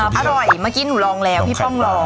อร่อยเมื่อกี้หนูลองแล้วพี่ป้องลอง